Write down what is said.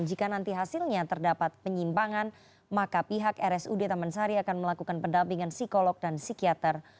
jika nanti hasilnya terdapat penyimpangan maka pihak rsud taman sari akan melakukan pendampingan psikolog dan psikiater